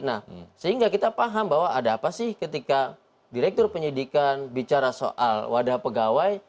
nah sehingga kita paham bahwa ada apa sih ketika direktur penyidikan bicara soal wadah pegawai